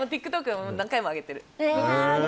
ＴｉｋＴｏｋでも何回も上げてる。